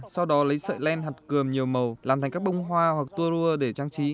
sau đó lấy sợi len hạt cườm nhiều màu làm thành các bông hoa hoặc tua rua để trang trí